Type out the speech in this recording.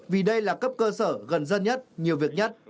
vì đây là cấp cơ sở gần dân nhất nhiều việc nhất